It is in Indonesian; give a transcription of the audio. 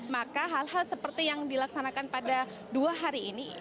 maka hal hal seperti yang dilaksanakan pada dua hari ini